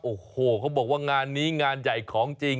โอ้โหเขาบอกว่างานนี้งานใหญ่ของจริง